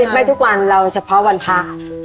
ไม่ทุกวันเราเฉพาะวันพระ